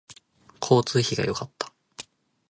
交通費が良かった